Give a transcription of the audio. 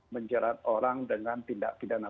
menjerat orang dengan tindak pidana